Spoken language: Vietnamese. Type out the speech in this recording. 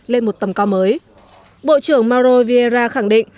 lên một tầm cao mới bộ trưởng mauro vieira khẳng định